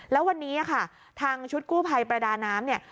แล้ววันนี้ค่ะทางชุดกู้ภัยประดาน้ำเนี่ย